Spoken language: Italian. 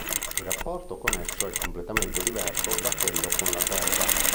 Il rapporto con esso è completamente diverso da quello con la terra.